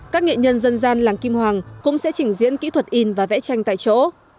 các nghệ nhân dân gian làng kim hoàng cũng sẽ trình diễn kỹ thuật in và vẽ tranh tại chỗ